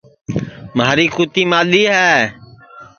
مھاری کُوتی مادؔی ہے